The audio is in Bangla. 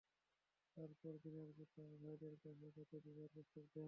তারপর দীনার পিতা ও ভাইদের কাছে তাকে বিবাহের প্রস্তাব দেয়।